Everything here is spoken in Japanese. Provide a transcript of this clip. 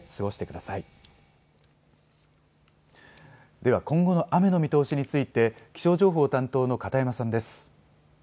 では今後の雨の見通しについて気象情報担当の片山さんです。